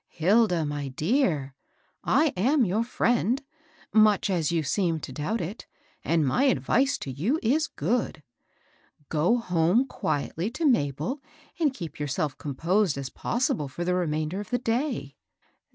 Hilda, my dear I I am your firiend^ — much as you seem to doubt it, — and my advice to you is good. Go home qui etly to Mabd, and keep yourself composed as possible for the remainder of the day.